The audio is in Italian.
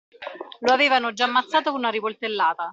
Lo avevano già ammazzato con una rivoltellata.